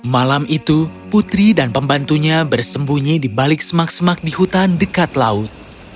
malam itu putri dan pembantunya bersembunyi di balik semak semak di hutan dekat laut